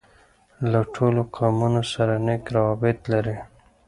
له ټولو قومونوسره نېک راوبط لري.